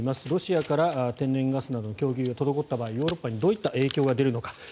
ロシアから天然ガスなどの供給が滞った場合ヨーロッパにどういった影響が出るのか。